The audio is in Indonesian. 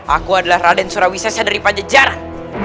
aku adalah raden surawisasya dari pajajaran